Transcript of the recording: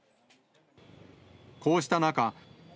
こうした中。